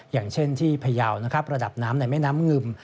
อย่างเช่นที่พยาวนะครับระดับน้ำในแม่น้ำงึม